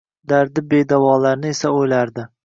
Dardi bedavolarni esa o’ylardi.